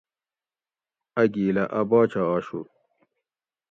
اۤ گیلہ اۤ باچہ آشو